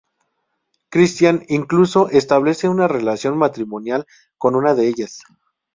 Christian incluso establece una relación matrimonial con una de ellas.